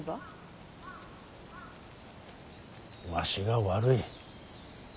わしが悪い。